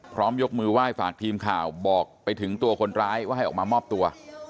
ยกมือไหว้ฝากทีมข่าวบอกไปถึงตัวคนร้ายว่าให้ออกมามอบตัว